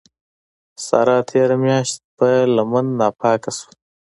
سارا تېره مياشت په لمن ناپاکه سوه.